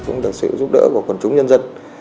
cũng được sự giúp đỡ của quần chúng nhân dân